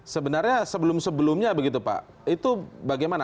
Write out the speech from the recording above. sebenarnya sebelum sebelumnya begitu pak itu bagaimana